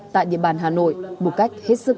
tại địa bàn hà nội một cách hết sức